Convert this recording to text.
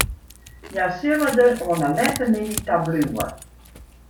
Hja sille der oan 'e lette middei ta bliuwe.